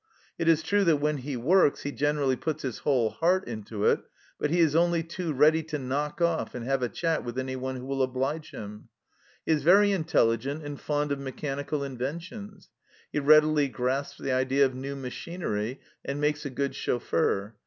It is true that when he works he generally puts his whole heart into it, but he is only too ready to knock off and have a chat with anyone who will oblige him. He THE CELLAR HOUSE 131 is very intelligent and fond of mechanical inven tions ; he readily grasps the idea of new machinery, and makes a good chauffeur.